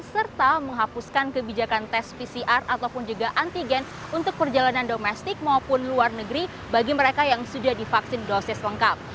serta menghapuskan kebijakan tes pcr ataupun juga antigen untuk perjalanan domestik maupun luar negeri bagi mereka yang sudah divaksin dosis lengkap